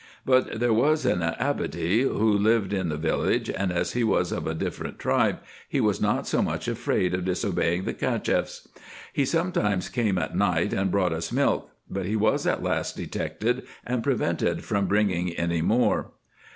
But there was an Abady, who lived in the village, and as he was of a different tribe, he was not so much afraid of disobeying the Cacheffs. He sometimes came at night, and brought us milk ; but he was at last detected, and prevented from bringing any more.